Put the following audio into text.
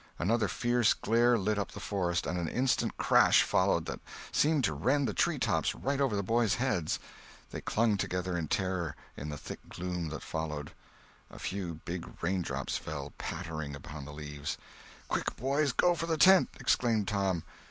Another fierce glare lit up the forest and an instant crash followed that seemed to rend the treetops right over the boys' heads. They clung together in terror, in the thick gloom that followed. A few big raindrops fell pattering upon the leaves. "Quick! boys, go for the tent!" exclaimed Tom.